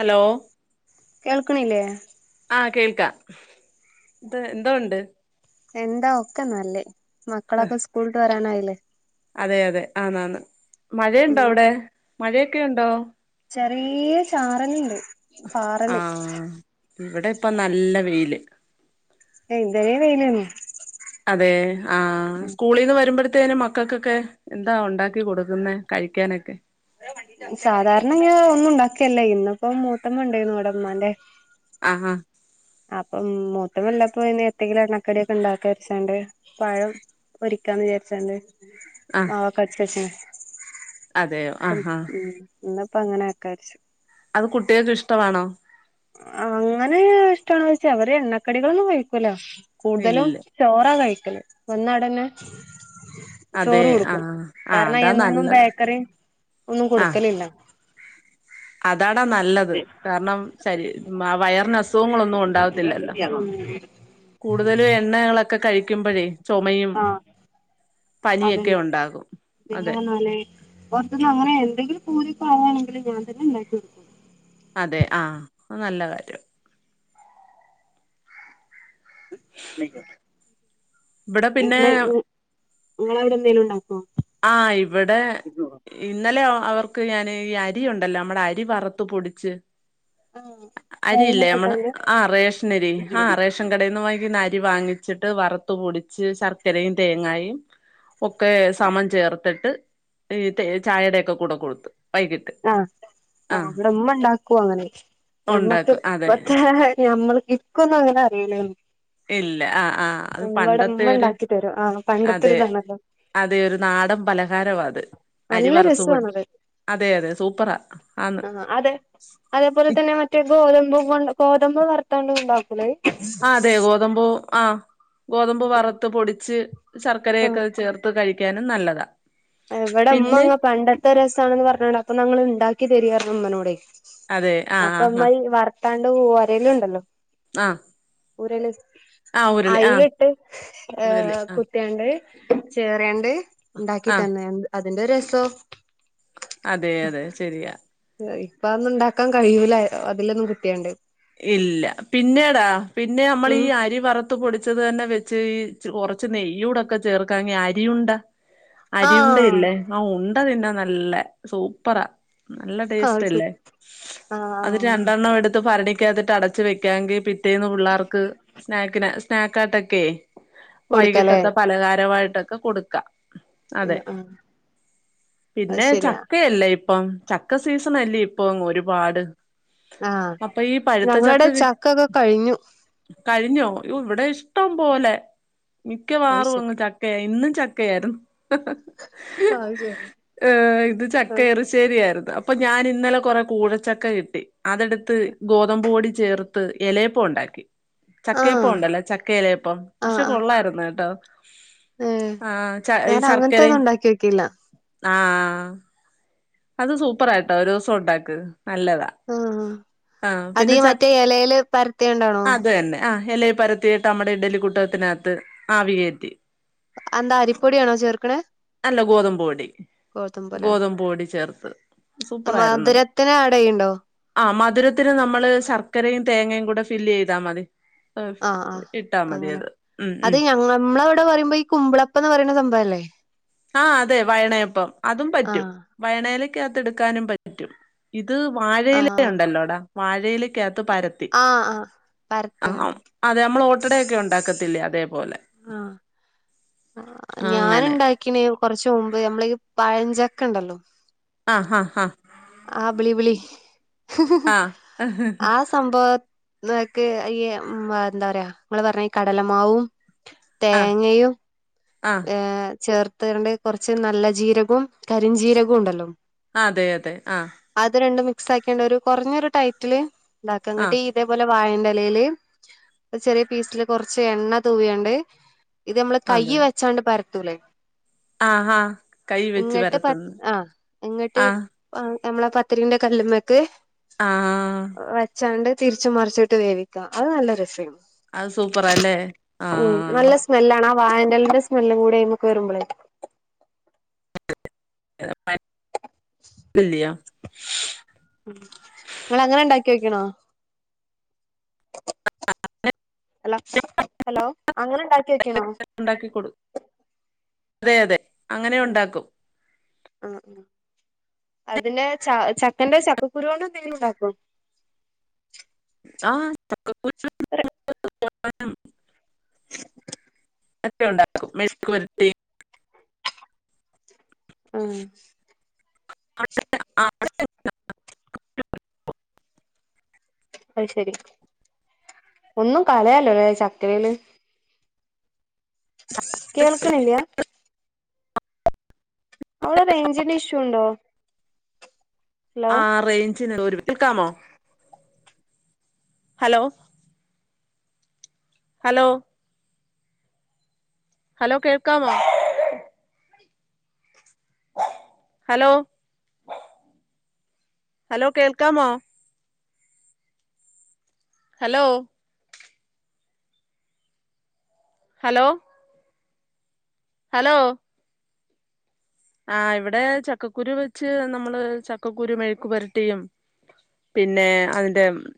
Hello കേൾക്ക്ണില്ലേ ആ കേൾക്കാം ത് ന്തോ ഉണ്ട് എന്താ ഒക്കെ നല്ലെ മക്കളൊക്കെ സ്കൂൾട്ട് വരാനായില്ലേ അതെ അതെ ആന്നാന്ന് മഴയുണ്ടോ ഉം അവ്ടെ മഴയൊക്കെ ഉണ്ടോ ചെറിയ ചാറല്ണ്ട് പാറല് ആഹ് ഇവിടെ ഇപ്പം നല്ല വെയ്ല് എ ഇതരെ വെയ്ലെന്നെ അതേ ആ സ്കൂളീന്ന് വര്മ്പഴ ത്തേനും മക്കൾക്കൊക്കെ എന്താ ഒണ്ടാക്കി കൊട്ക്ക്ന്നെ കഴിക്കാനെക്കെ സാധാരണ ഞാൻ ഒന്നും ഉണ്ടാക്കേല്ല ഇന്നിപ്പം മൂത്തമ്മ ഉണ്ടേര്ന്നുവെടെ മ്മാന്റെ ആഹാ അപ്പം മൂത്ത വല്ലപ്പോയ്ന്നെ എത്തേലും എണ്ണക്കടിയൊക്കെണ്ടാക്കാച്ചാണ്ട് പഴം പൊരിക്കാന്ന് വിചാര്ച്ചാണ്ട് ആഹ് മാവൊക്കെ അരച്ച് വെച്ച്ണ് അതെയോ ഉം ആഹാ ഉം ഇന്ന്പ്പം അങ്ങനാക്കാര്ച്ച് അത് കുട്ട്യേക്ക് ഇഷ്ടമാണോ? അങ്ങനെ ഇഷ്ടാണോയ്ച്ചാ അവര് എണ്ണക്കടികളൊന്നും കഴിക്കൂല കൂട്തലും ഇല്ല ചോറാ കഴിക്കല് വന്നാടന്നെ അതെ ചോറ് കൊട്ക്കും ആഹ് ആഹ് കാരണം അതാ എന്നും നല്ലത് ബേക്കറി ഒന്നും കൊട്ക്കലില്ല താടാ നല്ലത് കാരണം ശരീ വ വയറിന് അസുഖങ്ങളൊന്നും ഉണ്ടാവത്തില്ലല്ലോ കൂട്തലും എണ്ണകളൊക്കെ കഴി ക്ക്മ്പഴേ ചൊമയും ആഹ് പനിയൊക്കെ ഒണ്ടാകും പിന്നേർഞ്ഞാല് പൊർത്ത്ന്ന് അങ്ങനെ എന്തെങ്കിലും പൂത്യൊക്കെ ആവാണെങ്കില് ഞാൻ തന്നെണ്ടാക്കി കൊട്ക്കും അതെ ആഅത് നല്ല കാര്യാ [unintelligible] ഇവ്ടെ പിന്നേ ങ്ങളവ്ടെന്തേലും ണ്ടാക്കോ? ആ ഇവ്ടെ ഇന്നലെ അ അവർ ക്ക് ഞാൻ ഈ അരിയുണ്ടല്ലോ നമ്മടെ അരി വറ്ത്ത് പൊടിച്ച് ആഹ് അരിയില്ലേ തേങ്ങൊക്കെ നമ്മള് ഇട്ടാണ്ട് ആ റേഷനരി ഹാ റേഷൻ കടേന്ന് വാങ്ങിക്ക്ന്ന അ രി വാങ്ങിച്ചിട്ട് വറ്ത്ത് പൊടിച്ച് ശർക്കരയും തേങ്ങായും ഒക്കെ സമം ചേർത്ത്ട്ട് ഈ തേ ചായെടെക്കെ കൂടെ കൊട്ത്ത് ആ ആ ഇവ്ടെമ്മണ്ടാക്കു അങ്ങനെ ഞമ്മക്ക് ഉണ്ടാക്കും അതെ പ്പത്തെ ഞമ്മള് ഇക്കൊന്നും അങ്ങനെ അറീല്ലേനി ഇല്ല ആ ആ അത് പണ്ടത്തെ ഒര് ഉണ്ടാക്കി തരും ആഹ് പണ്ടത്തെ ഒരു അതെ ഇതാണല്ലോ അ തെ ഒര നാടൻ പലഹാരവാ അത് അരി നല്ല വറ്ത്ത് പൊടിച് അതെ അതെ സൂപ്പറാ ആന്ന് ആ അതെ അതേപോലെ തന്നെ മറ്റേ ഗോതമ്പ് കൊണ്ട് ഗോതമ്പ് വർത്താണ്ട് ണ്ടാക്കൂലെ അത് ആ അതെ ഗോതമ്പൂ ആ ഗോതമ്പ് വറ്ത്ത് പൊടിച്ച് ശർക്കരയൊക്കെ ചേർത്ത് കഴിക്കാനും നല്ലതാ എ ഇവടെ പിന്നെ മ്മങ്ങ പണ്ടത്തെ രസാണ്ന്ന് പർഞ്ഞാണ്ട് അപ്പൊ ന്നാ ങ്ങള്ണ്ടാക്കി തരീർഞ്ഞു മ്മനോടെ അതെ ആ ആ അപ്പം ആ മ്മയീ വർത്താണ്ട് ഒരല്ണ്ടല്ലോ ആ ഉരല് ആ ഉരുളി ആ അയ്ല്ട്ട് ഏ ഉരുളി ആ കുത്ത്യാണ്ട് ചേറ്യാണ്ട് ക്കി ആ തന്നേ അന്ന് അതിന്റെ രസോ അതെ അതെ ശെരിയാ ഇപ്പ അഒന്നുണ്ടാക്കാൻ കയ്യൂല അതിലൊന്നും കിട്ടിയാണ്ട് ഇല്ല പിന്നേടാ പിന്നെ അമ്മളീ ഉം ഈ അരി വറ്ത്ത് പൊടി ച്ചതെന്നെ വെച്ച് ഈ ച് കൊറച്ച് നെയ്യൂടൊക്കെ ചേർക്കാണെങ്കി അരിയുണ്ടാ ആഹ് അരിയുണ്ടയില്ലേ ആ ഉണ്ട തിന്നാ നല്ല സൂപ്പറാ നല്ല അത് ശരി ടേസ്റ്റല്ലേ അത് ആഹ് രണ്ടെണ്ണം എട്ത്ത് ഭരണി ഭരണിക്കകത്ത്ട്ട് അടച്ച് വെക്കാെങ്കി പിറ്റേന്ന് പുള്ളാർക്ക് സ്നാക്ക്ന് സ്നക്കായ്ട്ടൊക്കെ കൊടുക്കലേ വൈകിട്ടത്തെ പലഹാരവായിട്ടൊക്കെ കൊടുക്ക അതെ ആഹ് ആഹ് [inaudible] അത് പിന്നെ ശരിയാ ചക്കയല്ലേ ഇപ്പം ചക്ക സീസണല്ലേ ഇപ്പൊ അങ്ങ് ഒരുപാട് ആഹ അപ്പൊ ഈ പഴുത്ത ഞങ്ങള്ടെ ചക്ക കി ചക്കൊക്കെ കഴിഞ്ഞു കഴിഞ്ഞോ? യ്യോവിടെ ഇഷ്ടം പോലെ അത് മിക്കവാറും ശരി അങ്ങ് ചക്കയാ ഇന്നും ചക്കയായിരുന്നു അത് ശരി ഏഹ് ഇന്ന് ചക്ക ഇറ്ശ്ശേരിയായിര്ന്ന് അപ്പൊ ഞാനിന്നലെ കൊറേ കൂഴച്ചക്ക കിട്ടി അതെട്ത്ത് മ്പോടി ചേർത്ത് എലയപ്പൊണ്ടാക്കി ആഹ് ചക്കയപ്പൊണ്ടല്ലേ ചക്കയലയപ്പം പക്ഷെ ആഹ് ആഹ് കൊള്ളായിര്ന്ന് കേട്ടോ ഏഹ് ആഹ ച ഈ ഞാൻ അങ്ങനത്തൊന്നും ശർക്കരിം ഉണ്ടാക്കി വെക്കില്ല ആ അത് സൂപ്പറാട്ടോ ഒരൂസം ഉണ്ടാക്ക് നല്ലതാ ആഹ് ആ അത് ഈ പിന്നെ ച മറ്റേ ഇലയില് പരത്തിയണ്ടാണോ [inaudible] അതന്നെ അ എലേ പരത്തിയിട്ട് അമ്മടെ ഇഡലിക്കൂട്ടത്തിനകത്ത് ആവി കേറ്റി എന്താ അരിപ്പൊടിയാണോ ചേർക്കണേ അല്ല ഗോതമ്പ്പൊടി ഗോതമ്പല്ലേ ഗോതമ്പ് പൊടി ചേർത്ത് സൂപ്പറായിര്ന്ന് മധുരത്തിന് ആഡ് ചെയ്യണ്ടോ ആ മധുരത്തിന് നമ്മള് ശർക്കരയും തേങ്ങയും കൂടെ ഫില്ലെയ്താ മതി ആഹ ആഹ ഇട്ടാ മതി അങ്ങനെ അത് ഉം അത് ഉം ഞങ്ങ മ്മളവടെ പറയുമ്പോ ഈ കുമ്പളപ്പന്ന് പറയുന്ന സംഭവല്ലേ ആ അതെ വയണയപ്പം അതും പറ്റും ആഹ് വയണയിലക്കകത്ത് എട്ക്കാനും പറ്റും ഇത് വാഴയിലേയിലുണ്ടല്ലോടാ വാഴയിലക്കകത്ത് ആ ആഹ ആഹ അതെ അമ്മള് ഓട്ടടയൊക്കെ ഉണ്ടാക്കത്തില്ലേ അതെപോലെ ആ ഞാന്ണ്ടക്കിണ് കൊറച്ച് മുമ്പ് നമ്മള ഈ പഴഞ്ചക്കണ്ടല്ലോ? ഹ ഹ ആ ബിളിബിളി ആ ആ സംഭവ [unintelligible] ക്ക് ഈ മ് ന്താ പറയാ ഇങ്ങള്പറഞ്ഞ ഈ കടലമാവും ആ തേങ്ങയും ആ ഏ ആ ചേർ ത്താണ്ട് കൊറച്ച് നല്ല ജീരകും, കരിഞ്ജീരകുണ്ടല്ലോ? അതെ അതെ ആ മിക്സാക്കിയാണ്ട് കൊറഞ്ഞൊരു ടൈറ്റില് ഇണ്ടാക്ക ആ ഇങ്ങട്ടീ ഇതേപോലെ വായന്റെലേല് രു ചെറിയ പീസില് കൊറച്ച് എണ്ണ തൂവിയാണ്ട് ഇത് ഞ്ഞമ്മള് അതെ കൈയ് വെച്ചാണ്ട് പരത്തൂലേ ആ ആ കൈ വെച്ച് ഇങ്ങട്ട് പ [unintelligible] പരത്തുന്നു ആ ഇങ്ങട്ട് ആ ഞ്ഞമ്മളെ പത്തിരിന്റെ കല്ല്മക്ക് ആഹ് വെച്ചാണ്ട് തിരിച്ചും മറുച്ചൂട്ട് വേവിക്ക അത് നല്ല രസേനി അത് സൂപ്പറാല്ലേ ആഹ വായൻ്റലന്റെ സ്മെല്ലും കൂടെ അയ്മക്ക് വരുമ്പളേ ഇല്ല്യോ ഇങ്ങളങ്ങനെ ഇണ്ടാക്ക്യോക്കീണോ? [inaudible] ഹലോ ഹലോ അങ്ങനെ ഇണ്ടാക്കിയോ ക്കീണോ? ഉണ്ടാക്കി കൊടു അതെ അതെ അങ്ങനെ ഉണ്ടാക്കും അ അതിന്റെ ച ചക്കന്റെ ചക്കകുരോണ്ട് എത്തെങ്കിലുണ്ടാക്കോ? ആ [unintelligible] [unintelligible] മെഴുക്ക് വരട്ടി ആഹ് [inaudible] അയ്ശെരി ഒന്നും കളയാൻല്ലലേ ചക്കയില് കേൾക്ക്‌ണില്ല്യ അവടെ റേഞ്ചിന്റെ ഇഷ്യൂണ്ടോ ആ റേഞ്ചിന് ഒരു കേൾക്കാമോ ഹലോ ഹലോ ഹലോ കേൾക്കാമോ ഹലോ ഹലോ കേൾക്കാമോ ഹലോ ഹലോ ഹലോ ആ ഇവിടെ ചക്കക്കുരു വെച്ച് നമ്മള് ചക്കക്കുരു മെഴുക്ക്‌പുരട്ടിയും പിന്നെ അതിന്റെ